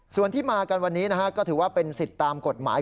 ส่วนที่มากันวันนี้นะฮะก็ถือว่าเป็นสิทธิ์ตามกฎหมาย